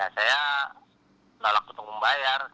saya lelak untuk membayar